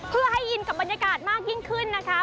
เพื่อให้อินกับบรรยากาศมากยิ่งขึ้นนะคะ